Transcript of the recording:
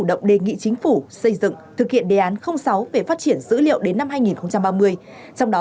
động đề nghị chính phủ xây dựng thực hiện đề án sáu về phát triển dữ liệu đến năm hai nghìn ba mươi trong đó